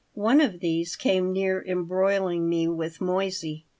One of these came near embroiling me with Moissey.